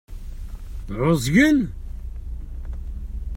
Ɛuẓgen?